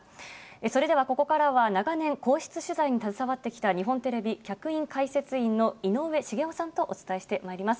それでは、ここからは長年、皇室取材に携わってきた日本テレビ客員解説員の井上茂男さんとお伝えしてまいります。